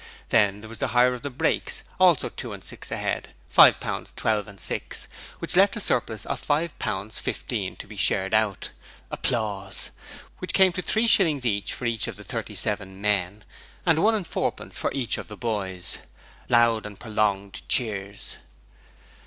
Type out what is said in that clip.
Then there was the hire of the brakes, also two and six a head, five pound twelve and six, which left a surplus of five pound fifteen to be shared out, which came to three shillings each for the thirty seven men, and one and fourpence for each of the boys. (Loud and prolonged cheers.)